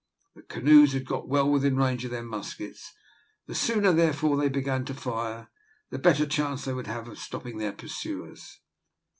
The canoes had got well within range of their muskets: the sooner, therefore, they began to fire, the better chance they would have of stopping their pursuers.